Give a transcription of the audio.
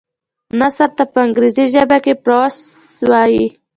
نثر ته په انګريزي ژبه کي Prose وايي.